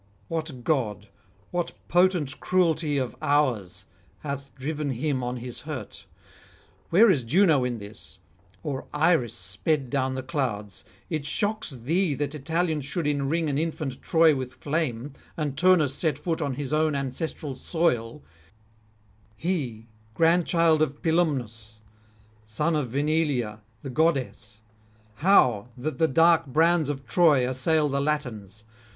What god, what potent cruelty of ours, hath driven him on his hurt? Where is Juno in this, or Iris sped down the clouds? It shocks thee that Italians should enring an infant Troy with flame, and Turnus set foot on his own ancestral soil he, grandchild of Pilumnus, son of Venilia the goddess: how, that the dark brands of Troy assail the Latins?